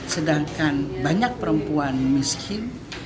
sedangkan banyak perempuan miskin